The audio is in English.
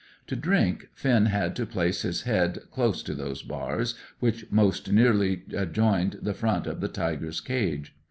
To drink, Finn had to place his head close to those bars which most nearly adjoined the front of the tiger's cage.